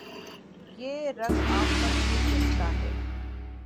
یہ رنگ آپ پر خوب جچتا ہے